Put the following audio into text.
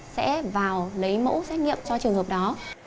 sẽ vào lấy mẫu xét nghiệm cho trường hợp đó